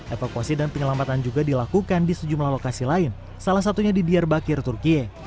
evakuasi dan penyelamatan juga dilakukan di sejumlah lokasi lain salah satunya di diarbakir turkiye